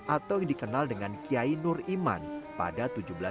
atau yang dikenal dengan kiai nur iman pada seribu tujuh ratus dua puluh empat